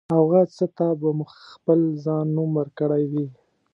او هغه څه ته به مو خپل ځان نوم ورکړی وي.